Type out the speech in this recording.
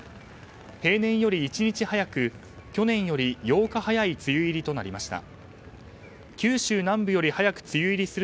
平年より１日早く去年より８日早い梅雨入りとなりました。